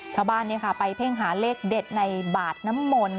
ชาวบ้านเนี้ยค่ะไปเพ่งหาเลขเด็ดในบาตรน้ำมน